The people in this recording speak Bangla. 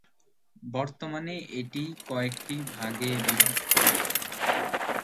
বর্তমানে এটি কয়েকটি ভাগে বিভক্ত।